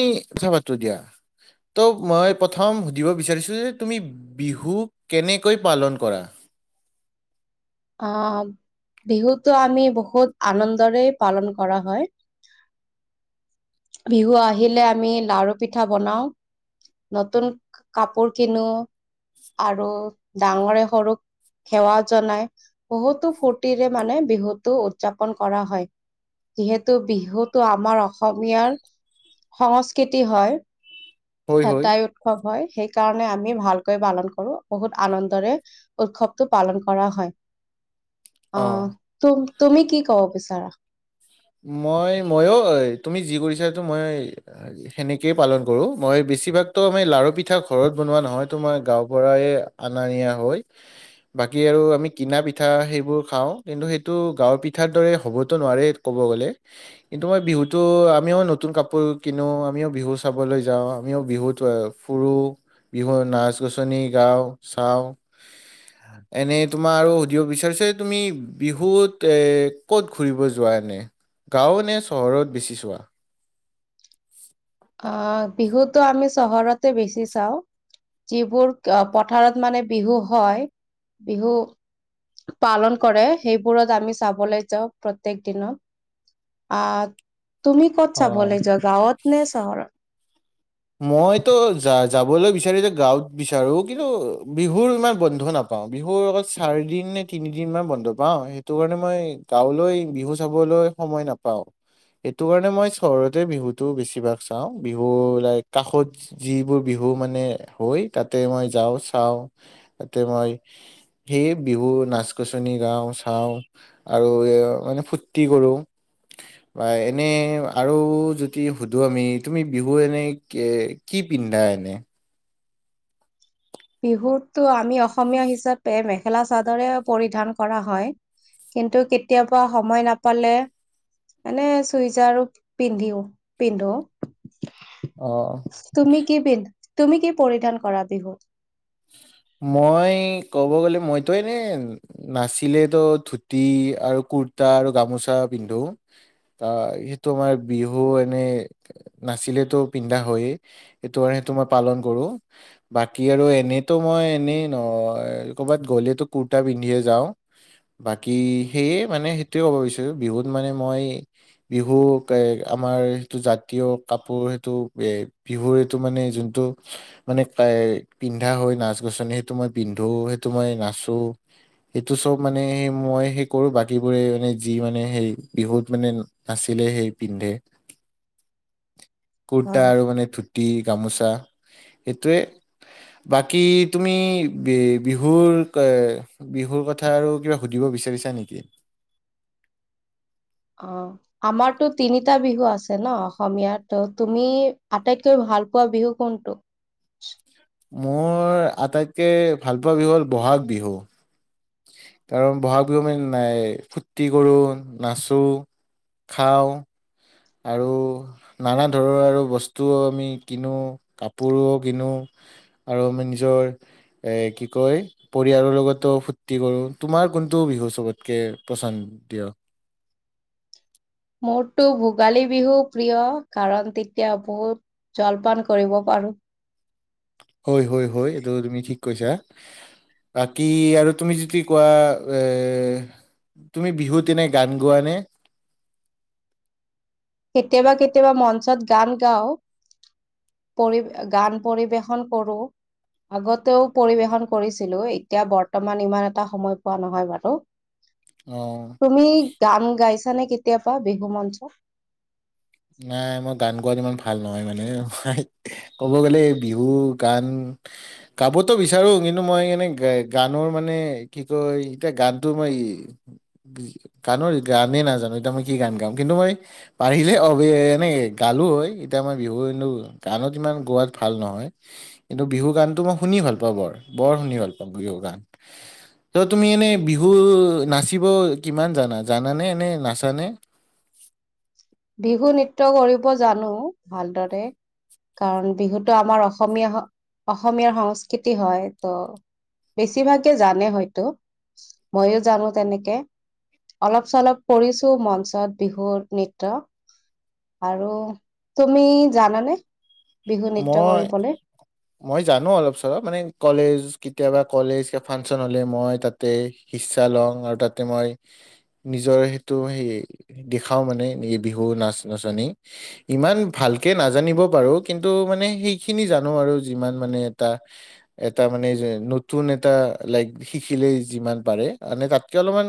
এ কথা পাতো দিয়া ত' মই প্ৰথম সুধিব বিচাৰিছো যে তুমি বিহু কেনেকৈ পালন কৰা? অহ বিহুত টো আমি বহুত আনন্দৰে পালন কৰা হয় বিহু আহিলে আমি লাৰু পিঠা বনাও নতুন কাপোৰ কিনো আৰু ডাঙৰে সৰুক সেৱা জনাই বহুতো ফূৰ্তিৰে মানে বিহুতটো উদযাপন কৰা হয় যিহেতু বিহুতটো আমাৰ অসমীয়াৰ সংস্কৃতি হয় হয় হয় এটাই উৎসৱ হয় সেইকাৰণে আমি ভালকৈ পালন কৰো বহুত আনন্দৰে উৎসৱটো পালন কৰা হয়। অ তুম তুমি কি কব বিচাৰা মই মইও তুমি যি কৰিছা টো মই সেনেকেই পালন কৰো মই বেছিভাগতো আমি লাৰু পিঠা ঘৰত বনোৱা নহয় ত মই গাও ঘৰৰে অনা নিয়া হয়, বাকী আৰু আমি কিনা পিঠা সেইবোৰ খাও, কিন্তু সেটো গাৱৰ পিঠাৰ দৰে হবটো নোৱাৰে ক'ব গ'লে কিন্তু মই বিহুতো আমিও নতুন কাপোৰ কিনো আমিও বিহু চাবলৈ যাওঁ আমিও বিহুতে ফুৰো বিহুত নাচ নাচনি গাওঁ চাওঁ এনে তোমাৰ আৰু সুধিব বিচাৰিছে তুমি বিহুত এ ক'ত ঘুৰিব যোৱা। নে গাঁও নে চহৰত বেচি চোৱা তটো আমি চহৰতে বেছি চাওঁ যিবোৰ পথাৰত মানে বিহু হয় বিহু পালন কৰে সেইবোৰত আমি চাবলৈ যাওঁ প্ৰত্যেক দিনত আহ তুমি ক'ত অ চাবলে যোৱা গাঁৱত নে চৰ মইতো যা যাবলৈ বিচাৰিটো গাওঁত বিচাৰো, কিন্তু বিহুৰ ইমান বন্ধ নাপাওঁ, বিহুৰ অকল চাৰি দিন নে তিনিদিনমান বন্ধ পাওঁ, সেইটো কাৰণে মই গাঁৱলৈ বিহু চাবলৈ সময় নাপাওঁ, সেইটো কাৰণে মই চহৰতে বিহুটো বেছিভাগ চাওঁ, বিহু লাইক কাষত যিবোৰ বিহু মানে হয়, তাতে মই যাওঁ চাওঁ তাতে মই সেই বিহু নাচ-গছনি গাওঁ চাওঁ আৰু এও মানে ফূৰ্তি কৰোঁ বা এনে আৰু যদি সুধোঁ আমি, তুমি বিহু এনেই কে, কি পিন্ধা এনে? বিহুতটো আমি অসমীয়া হিচাপে মেখেলা-চাদৰে পৰিধান কৰা হয়, কিন্তু কেতিয়াবা সময় নাপালে মানে চুইজাৰো পিন্ধিও পিন্ধো। অ তুমি কি পিন্ধ তুমি কি পৰিধান কৰা বিহুত? মই ক'ব গ'লে মইতো এনে নাছিলে তো ধুতি আৰু কুৰ্তা আৰু গামোচা পিন্ধো, আ, সেইটো আমাৰ বিহু এনে নাছিলে তো পিন্ধা হয়য়েই, সেইটো কাৰণে সেইটো মই পালন কৰো, বাকী আৰু এনে টো মই এনেই ন ক'বাত গ'লেটো কুুৰ্তা পিন্ধিয়েই যাও, বাকী সেইয়ে মানে সেইটোয়ে ক'ব বিচাৰো বিহুত মানে মই, বিহু আমাৰ সেইটো জাতীয় কাপোৰ সেইটো এ বিহুৰ এইটো মানে যোনটো মানে এ পিন্ধা হয় নাচ-গছনি সেইটো মই পিন্ধো, সেইটো মই নাচো, সেইটো চব মানে সেই মই সেই কৰো বাকীবোৰে মানে যি মানে সেই বিহুত মানে নাছিলে সেই পিন্ধে। কুৰ্তা হয় আৰু মানে ধুতি গামোচা সেইটোৱে, বাক কি তুমি বি, বিহুৰ, কে, বিহুৰ কথা আৰু কিবা সুধিব বিচাৰিছা নেকি? অ', আমাৰতো তিনিটা বিহু আছে ন, অসমীয়াত তুমি আটাইতকৈ ভাল পোৱা বিহু কোনটো? মোৰ আটাইতকে ভালপোৱা বিহু হ'ল বহাগ বিহু। কাৰণ বহাগ বিহু মানে, নাই ফূৰ্তি কৰোঁ, নাচো খাওঁ। আৰু নানা ধৰৰ আৰু বস্তুও আমি কিনো, কাপোৰও কিনো আৰু আমি নিজৰ এ কি কয় পৰিয়ালৰ লগতোও ফূুৰ্তি কৰোঁ। তোমাৰ কোনটো বিহু চবতকে পছন্দীয়? মোৰটো ভোগালী বিহু প্ৰিয় কাৰণ, তেতিয়া বহুত জলপান কৰিব পাৰো। হয়, হয়, হয় এইটো তুমি ঠিক কৈছা বাকী আৰু তুমি যদি কোৱা এ তুমি বিহুত এনে গান গোৱানে কেতিয়াবা কেতিয়াবা মঞ্চত গান গাও পৰি গান পৰিবেশন কৰো আগতেও পৰিবেশন কৰিছিলো এতিয়া বৰ্তমান ইমান এটা সময় পোৱা নহয় বাৰু অ তুমি গান গাইছা [unintelligible] নে কেতিয়াবা বিহু মঞ্চ নাই মই গান গোৱাত ইমান ভাল নহয় মানে ক'ব গ'লে বিহু গান গাবতো বিচাৰো কিন্তু মই মানে গানৰ মানে কি কয় এতিয়া গানটো মই গানৰ গানেই নাজানো এতিয়া মই কি গান গাম কিন্তু মই পাৰিলে মই এনে গালো হয়, এতিয়া মই বিহু, কিন্তু গানত ইমান গোৱাত ভাল নহয়, কিন্তু বিহু গানতটো মই শুনি ভাল পাওঁ বৰ, বৰ শুনি ভাল পাওঁ বিহু গান। ত' তুমি এনে বিহু নাচিব কিমান জানা? জানানে? এনে নাচানে? বিহু নৃত্য কৰিব জানো ভালদৰে কাৰণ বিহুতো আমাৰ অসমীয়া অসমীয়াৰ সংস্কৃতি হয় ত' বেছিভাগে জানে হয়তো ময়ো জানো তেনেকে অলপ চলপ কৰিছো মঞ্চত বিহু নৃত্য ত আৰু তুমি জানানে বিহু নৃত্য মই, কৰিবলৈ মই জানো অলপ চলপ মানে কলেজ কেতিয়াবা কলেজ ফাংচন হলে মই তাতে সিচ্ছা লওঁ আৰু তাতে মই নিজৰ সেইটো সেই দেখাও মানে বিহু নাচ নাচনি ইমান ভালকে নাজানিব পাৰো কিন্তু মানে সেইখিনি জানো আৰু যিমান মানে এটা, এটা মানে নতুন এটা লাইক শিকিলে যিমান পাৰে মানে তাতকে অলপমান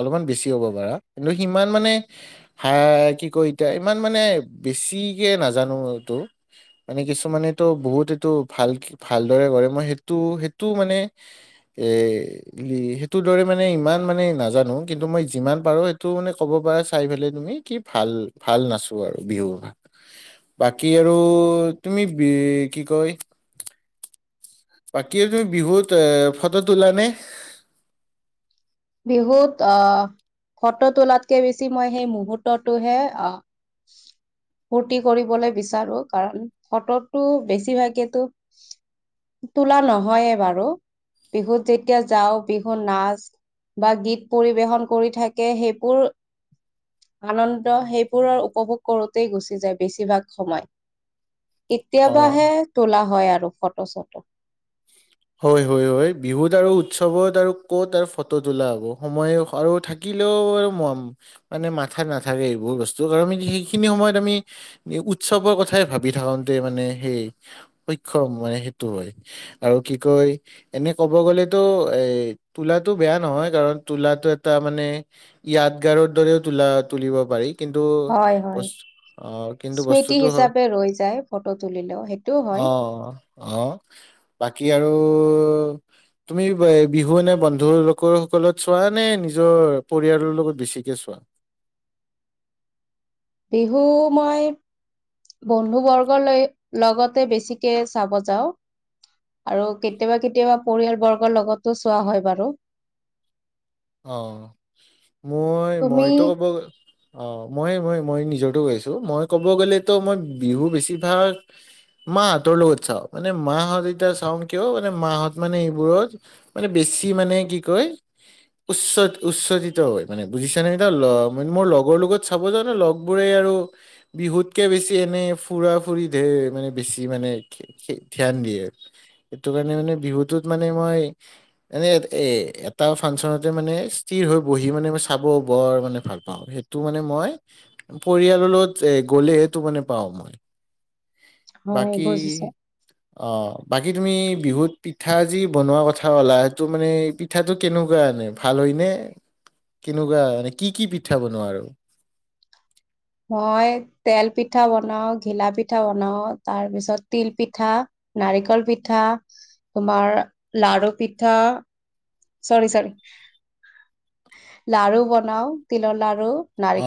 অলপমান বেছি হ'ব পাৰা, কিন্তু সিমান মানে হা কি কয় এতিয়া, ইমান মানে বেছিকে নাজানোটো। মানে কিছুমানেতটো বহুত এইটো ভাল, ভালদৰে কৰে। মই সেইটো, সেইটো মানে এ সেইটো দৰে মানে ইমান মানে নাজানো। কিন্তু মই যিমান পাৰো সেইটো মানে কব পৰা চাই পেলাই তুমি কি ভাল, ভাল নাচো আৰু বিহু বাকী আৰু আৰু তুমি বি কি কয় বাকী তুমি বিহুত এ ফটো তোলানে বিহুত আহ ফটো তোলাতকে বেছি মই সেই মুহূৰ্তটোহে আহ ফূৰ্তি কৰিবলৈ বিচাৰো, কাৰণ ফটোটো বেছিভাগেতো তোলা নহয়েই বাৰু, বিহুত যেতিয়া যাওঁ বিহুত নাচ বা গীত পৰিবেশন কৰি থাকে সেইবোৰ আনন্দ সেইবোৰৰ উপভোগ কৰোঁতেই গুচি যায় বেছিভাগ সময় অ' কেতিয়াবাহে তোলা হয় আৰু। আৰু ফটো চটো হয় হয় হয় বিহুত আৰু উৎসৱত আৰু কত আৰু ফটো তোলা হ'ব সময় আৰু থাকিলেও আৰু ম মানে মাথাত নাথাকে এইবোৰ বস্তু কাৰ সেইখিনি সময়ত আমি উৎসৱৰ কথাই ভাবি থাকোতে মানে সেই সক্ষম মানে সেইটো হয় আৰু কি কয় এনে ক'ব গ'লেতো, এ তোলাটো বেয়া নহয় কাৰণ তোলাটো এটা মানে য়াদ‌ গাৰৰ দৰেও তোলা তুলিব পাৰি। কিন্তু হয় হয়। অ', কিন্তু স্মৃতি বস্তুটো হয়, হিচাপে ৰৈ যায় ফটো তুলিলেও সেইটোও হয়। অ', অ' বাক আৰু তুমি বিহু নে বন্ধু লোকৰ সকলত চোৱা নে নিজৰ পৰিয়ালৰ লগত বেছিকে চোৱা বিহু মই বন্ধু-বৰ্গলৈ লগতে বেছিকে চাব যাওঁ আৰু কেতিয়াবা-কেতিয়াবা পৰিয়াল-বৰ্গৰ লগতো চোৱা হয় বাৰু। অ', মই তুমি মইতো ক'ব গ অ', মই মই মই নিজৰতো কৈ আছোঁ, মই ক'ব গলেতো মই বিহু বেছিভাগ মাহতৰ লগত চাওঁ। মানে মাহত এতিয়া চাওঁ কিয় মানে মাহত মানে এইবোৰত মানে বেছি মানে কি কয় উচ্চ উচ্ছজিত হয় মানে বুজিছানে [unintelligible] মোৰ লগৰ লগত চাব যাওঁ ন, লগবোৰে আৰু বিহুতকে বেছি এনে ফুৰা ফুৰি ধেৰ মানে বেছি মানে [unintelligible] ধ্যান দিয়ে। সেইটো কাৰণে মানে বিহুটোত মানে মই এনে এ এটা ফাংচনত সিটো মানে স্থিৰ হৈ বহি মানে চাব বৰ মানে ভাল পাওঁ, সেইটো মানে মই পৰিয়ালৰ লগত এ গ'লে সেইটো মানে পাওঁ মই হয় বাকী বজিছে। অ', বাকী তুমি বিহুত পিঠা যি বনোৱা কথা 'লা সেইটো মানে পিঠাটো কেনেকুৱা আনে? ভাল হয় ন, কেনেকুৱা মানে কি কি পিঠা বনোৱা আৰু? মই তেল পিঠা বনাও, ঘিলা পিঠা বনাও, তাৰ পিছত তিল পিঠা, নাৰিকল পিঠা, তোমাৰ লাৰু পিঠা, চৰি চৰি লাৰু বনাও, তিলৰ লাৰু।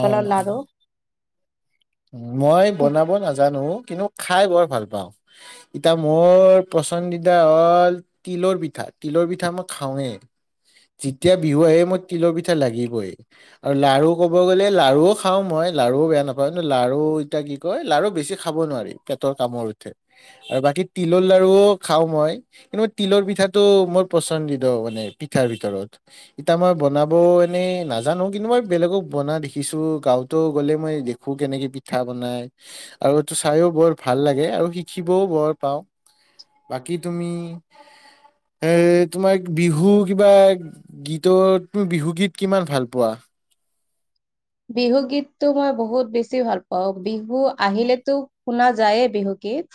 অ অ লাাৰু। মই বনাব নাজানো। কিন্তু খাই বৰ ভাল পাওঁ। এতিয়া মোৰ পচন্দিতা হ'ল তিলৰ পিঠা, তিলৰ পিঠা মই খাওঁৱেই। যেতিয়া বিহু আহে মোৰ তিলৰ পিঠা লাগিবই আৰু লাৰু ক'ব গ'লে লাৰুও খাওঁ মই লাৰুও বেয়া নাপাওঁ। লাৰু ইতিয়া কি কয় লাৰু বেছি খাব নোৱাৰি পেটৰ কামৰ উঠে আৰু বাকী তিলৰ লাৰুও খাওঁ মই, কিন্তু মই তিলৰ পিঠাটো মোৰ পচন্দিত মানে পিঠাৰ ভিতৰত। ইতা মই বনাব এনেই নাজানো কিন্তু মই বেলেগক বনা দেখিছোঁ। গাওঁতো গ'লে মই দেখোঁ। খো কেনেকে পিঠা বনাই আৰু এইটো চাইও বৰ ভাল লাগে আৰু শিকিবও বৰ পাওঁ। বাকী তুমি এ তোমাক বিহু কিবা গীতৰ তুমি বিহুগীত কিমান ভাল পোৱা? বিহুগীততটো মই বহুত বেছি ভাল পাওঁ। বিহু আহিলেতো শুনা যায়েই বিহুগীত,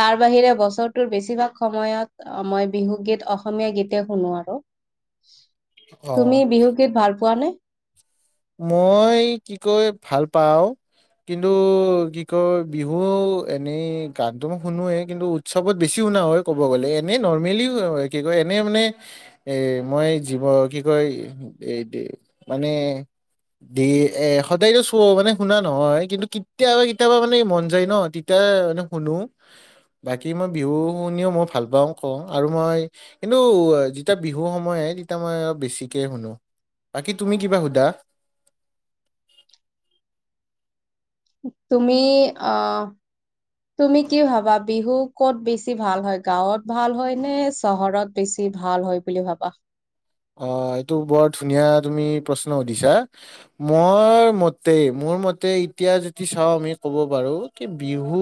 তাৰ বাহিৰে বছৰটোৰ বেছিভাগ সময়ত মই বিহুগীত অসমীয়া, গীতে শুনো আৰু। অ তুমি বিহু গীত ভাল পোৱা নে? মই কি কয় ভাল পাওঁ কিন্তু কি কয় বিহু এনেই গানটো মই শুনোৱেই কিন্তু উৎসৱত বেছি শুনা হয় ক'ব গ'লে। এনে নৰ্মেলি অহ, কি কয় এনে মানে এ মই জীৱ কি কয় [unintelligible] মানে দ এ সদায়তো চ মানে শুনা নহয় কিন্তু কেতিয়াবা কেতিয়াবা মানে মন যায় ন, তেতিয়া মানে শুনো। বাকী মই বিহু শুনিও মই ভাল পাওঁ কওঁ আৰু মই কিন্তু যেতিয়া বিহু সময় তেতিয়া মই অলপ বেছিকে শুনো। বাকী তুমি কিবা সোধা? তুমি আহ তুমি কি ভাবা বিহু কত বেছি ভাল হয় গাঁৱত ভাল হয় নে চহৰত বেছি ভাল হয় বুলি ভাবা অ এইটো বৰ ধুনীয়া তুমি প্ৰশ্ন সুধিছা মই মতে মোৰ মতে এতিয়া যদি চাওঁ আমি কব পাৰো কি বিহু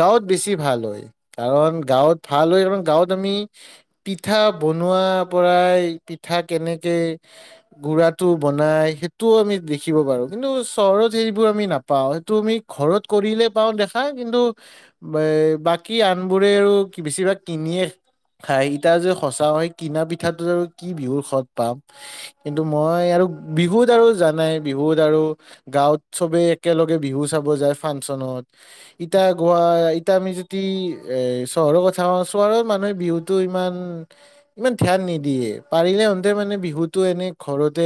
গাঁৱত বেছি ভাল হয় কাৰণ গাঁৱত ভাল হয় কাৰ গাঁৱত আমি পিঠা বনোৱাৰ পৰাই পিঠা কেনেকে গুৰাটো বনাই সেইটোও আমি দেখিব পাৰো কিন্তু চহৰত সেইবোৰ আমি নাপাওঁ সেইটো আমি ঘৰত কৰিলে পাওঁ দেখা কিন্তু এ বাকী আনবোৰে আৰু বেছিভাগ কিনিয়ে খায় ইতা যে সঁচাও সেই কিনা পিঠাটো আৰু কি বিহুৰ সৎ পাম কিন্তু মই আৰু বিহুত আৰু জানাই বিহুত আৰু গাঁৱত সবে একেলগে বিহু চাব যায় ফাংচনত ইতা গোৱা ইতা আমি যদি এ চহৰৰ কথা কওঁ চহৰত মানুহে বিহুতো ইমান ইমান ধ্যান নিদিয়ে পাৰিলে হতে মানে বিহুতটো এনে ঘৰতে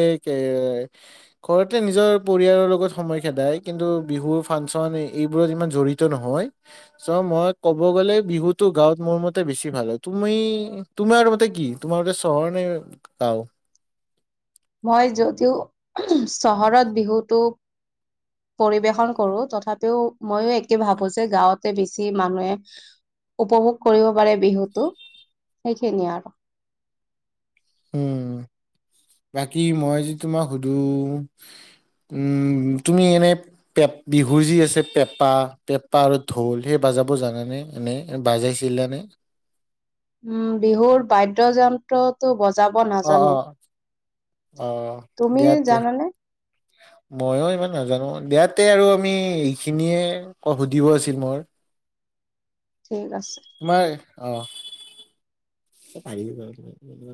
ঘৰতে নিজৰ পৰিয়ালৰ লগত সময় খেদাই কিন্তু বিহু ফাংচন এইবোৰত ইমান জৰি়ত নহয় চ' মই ক'ব গলে বিহুটো গাঁৱত মোৰ মতে বেছি ভাল হয় তুমি তোমাৰ মতে কি তোমাৰমতে চহৰ গাঁও মই যদিও চহৰত বিহুটো পৰিৱেশন কৰো তথাপিও ময়ো একে ভাবো যে গাঁৱতে বেছি মানুহে উপভোগ কৰিব পাৰে বিহুটো সেইখিনিয়ে আৰু উম বাকী মই যি তোমাক সুধো উম তুমি এনে পে বিহুৰ যি আছে পেপা পেপা আৰু ঢোল সেই বাজাব জানানে এনে বাজাইছিলা নে উম বিহুৰ বাইড্ৰ যন্ত্ৰটো বজা যাব অ অ নাজানো অ তুমি দিয়া দে জানানে মইয়ো ইমান নাজানো ইয়াতে আৰু আমি এইখিনিয়ে ক সুধিব আছিল মোৰ ঠিক আছে তোমাৰ অ পাৰিবি